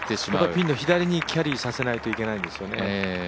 ピンの左にキャリーさせないといけないんですよね。